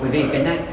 vì cái này